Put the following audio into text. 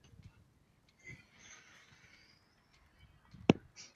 梁子颖现时是葵青区议会社区事务委员会任主席。